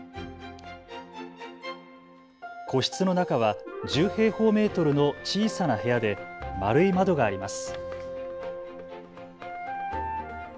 個室の中は１０平方メートルの小さな部屋で丸い窓があります。